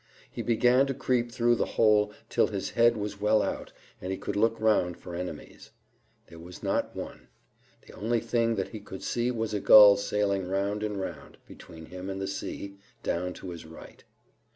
He began to creep through the hole till his head was well out, and he could look round for enemies. There was not one. The only thing that he could see was a gull sailing round and round between him and the sea, down to his right.